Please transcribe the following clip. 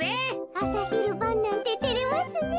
あさひるばんなんててれますねえ。